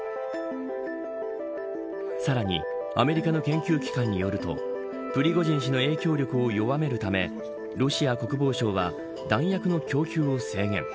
さらにアメリカの研究機関によるとプリゴジン氏の影響力を弱めるためロシア国防省は弾薬の供給を制限。